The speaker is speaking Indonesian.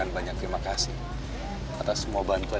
malem gak ada sama apa